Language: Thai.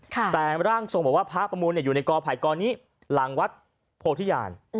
แต่ร่างทรงบอกว่าพระประมูลอยู่ในกอไผ่กอนี้หลังวัดโพธิญาณ